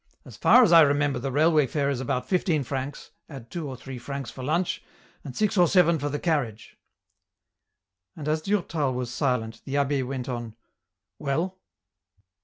As far as I remember the railway fare is about fifteen francs, add two or three francs for lunch, and six or seven for the carriage ..." And as Durtal was silent, the abbe went on :" Well